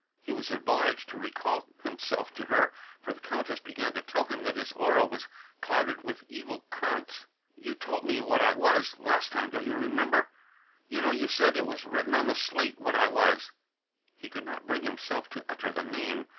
He was obliged to recall himself to her, for the Countess began to tell him that his aura was clouded with evil curnts. "You told me what I was last time, don't you remember? You know, you said, it was written on the slate what I was " He could not bring himself to utter the name.